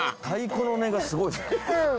太鼓の音がすごいです。